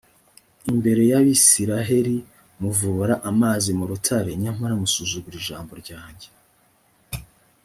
imbere y’abayisraheli, muvubura amazi mu rutare, nyamara musuzugura ijambo ryanjye.